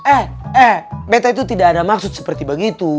eh eh peta itu tidak ada maksud seperti begitu